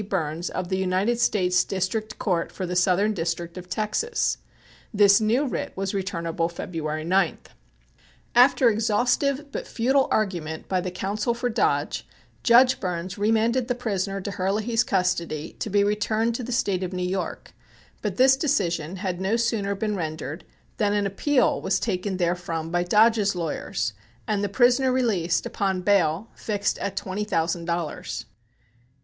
Burns of the United States District Court for the Southern District of Texas. This new writ was returnable February 9th. After exhaustive but futile argument by the counsel for Dodge, Judge Burns remanded the prisoner to Herlihy's custody to be returned to the State of New York, but this decision had no sooner been rendered than an appeal was taken therefrom by Dodge's lawyers, and the prisoner released upon bail fixed at twenty thousand dollars.